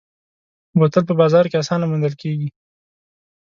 بوتل په بازار کې اسانه موندل کېږي.